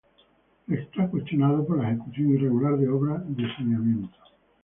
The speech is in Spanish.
Es cuestionado por la ejecución irregular de obras de saneamiento.